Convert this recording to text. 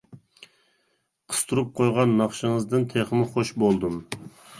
قىستۇرۇپ قويغان ناخشىڭىزدىن تېخىمۇ خوش بولدۇم.